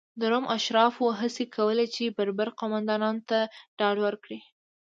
د روم اشرافو هڅې کولې چې بربر قومندانانو ته ډاډ ورکړي.